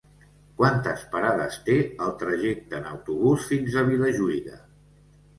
Quantes parades té el trajecte en autobús fins a Vilajuïga?